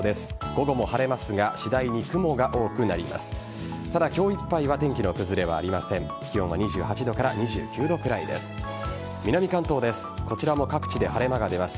午後も晴れますが次第に雲が多くなります。